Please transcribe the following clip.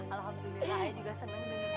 alhamdulillah ayah juga seneng dengerin